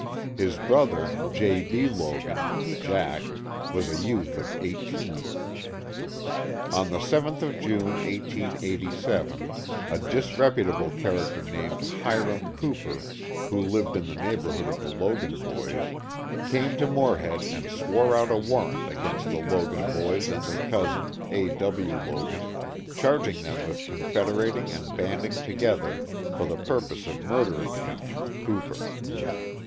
His brother, J. B. Logan (Jack) was a youth of eighteen. On the 7th of June, 1887, a disreputable character named Hiram Cooper, who lived in the neighborhood of the Logan boys, came to Morehead and swore out a warrant against the Logan boys and their cousin, A. W. Logan, charging them with confederating and banding together for the purpose of murdering him (Cooper).